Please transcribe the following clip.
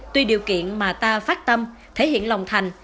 tuy điều kiện mà ta phát tâm thể hiện lòng thành